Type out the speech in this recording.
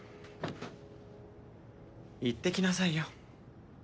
行ってきなさいよ。